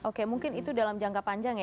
oke mungkin itu dalam jangka panjang ya